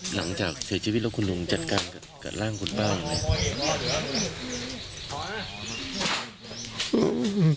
หลังจากเสียชีวิตแล้วคุณหลุงจัดการกับร่างคุณป้าอะไรผมก็ตัดสินใจว่า